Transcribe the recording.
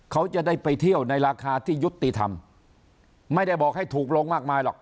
เขาจะได้ไปเที่ยวในราคาที่ยุติธรรมไม่ได้บอกให้ถูกลงมากมายหรอก